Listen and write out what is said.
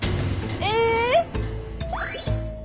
え！